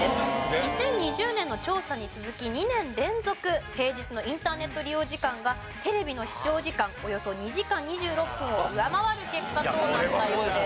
２０２０年の調査に続き２年連続平日のインターネット利用時間がテレビの視聴時間およそ２時間２６分を上回る結果となったようです。